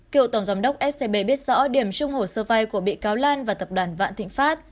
cựu tổng giám đốc scb biết rõ điểm chung hồ sơ vay của bị cáo lan và tập đoàn vạn thịnh pháp